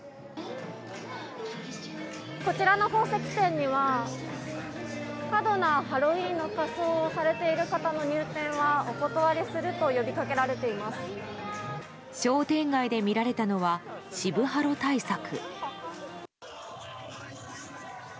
こちらの宝石店には過度なハロウィーンの仮装をされている方の入店はお断りすると商店街で見られたのは渋ハロ対策。